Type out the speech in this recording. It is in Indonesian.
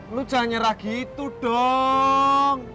lu jangan nyerah gitu dong